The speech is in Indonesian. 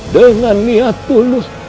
dengan niat tulus